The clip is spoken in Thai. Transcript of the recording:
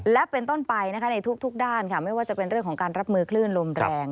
และเป็นต้นไปในทุกด้านค่ะไม่ว่าจะเป็นเรื่องของการรับมือคลื่นลมแรง